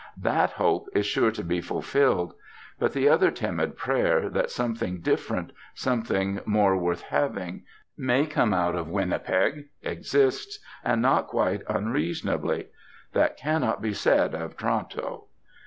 That hope is sure to be fulfilled. But the other timid prayer, that something different, something more worth having, may come out of Winnipeg, exists, and not quite unreasonably. That cannot be said of Toronto.